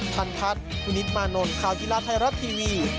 ทันทัศน์คุณนิตมานนท์ข่าวกีฬาไทยรัฐทีวี